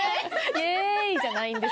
「イエーイ！」じゃないんですよ。